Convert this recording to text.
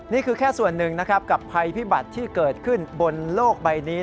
นี่คือแค่ส่วนหนึ่งนะครับกับภัยพิบัติที่เกิดขึ้นบนโลกใบนี้